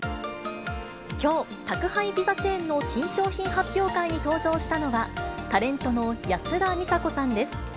きょう、宅配ピザチェーンの新商品発表会に登場したのは、タレントの安田美沙子さんです。